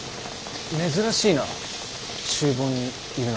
珍しいな厨房にいるなんて。